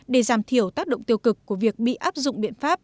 để giảm thiểu tác động tiêu cực của việc bị áp dụng biện pháp